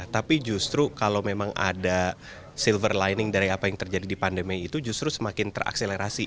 tapi justru kalau memang ada silver lining dari apa yang terjadi di pandemi itu justru semakin terakselerasi